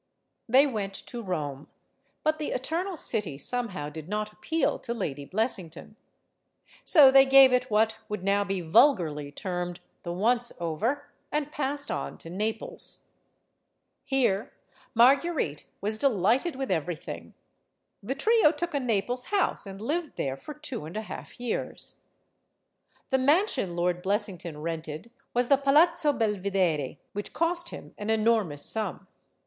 They went to Rome. But the Eternal City somehow did not appeal to Lady Biessington. So they gave it what would now be vulgarly termed "the once over," and passed on to Naples. Here, Marguerite was de lighted with everything. The trio took a Naples house, and lived there for two and a half years The mansion Lord Biessington rented was the Pal azzo Belvidere which cost him an enormous sum.